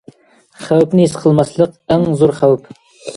خەۋپنى ھېس قىلماسلىق ئەڭ زور خەۋپ.